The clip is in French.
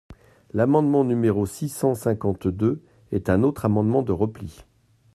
L’amendement numéro six cent cinquante-deux est un autre amendement de repli.